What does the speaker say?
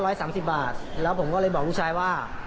สามสิบบาทแล้วผมก็เลยบอกลูกชายว่า